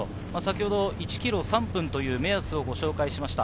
１ｋｍ３分という目安をご紹介しました。